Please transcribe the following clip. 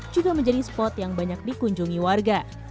juga menjadi spot yang banyak dikunjungi warga